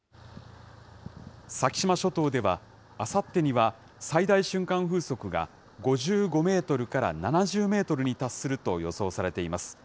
先島諸島では、あさってには最大瞬間風速が５５メートルから７０メートルに達すると予想されています。